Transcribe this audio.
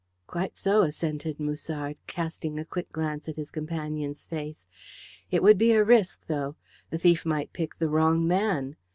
"Quite so," assented Musard, casting a quick glance at his companion's face. "It would be a risk, though the thief might pick the wrong man.